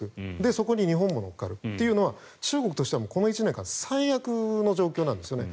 そこに日本も乗っかるのは中国としてはこの１年間最悪な状況なんですよね。